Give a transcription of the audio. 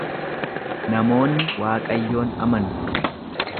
Namoonni Waaqayyoon amanu.